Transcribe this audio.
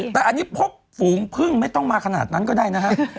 แต่อันนี้พบฝูงพึ่งไม่ต้องมาขนาดนั้นก็ได้นะฮะ